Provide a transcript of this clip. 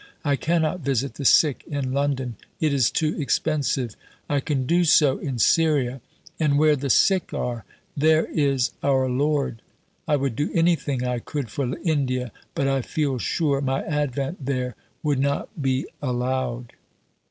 I cannot visit the sick in London: it is too expensive. I can do so in Syria, and where the sick are, there is our Lord. I would do anything I could for India, but I feel sure my advent there would not be allowed.